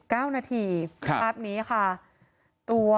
ช่างหน้าสถานการณ์ผ่าน